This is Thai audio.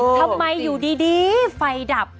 ทำไมอยู่ดีไฟดับ